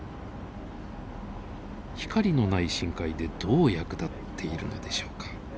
光のない深海でどう役立っているのでしょうか？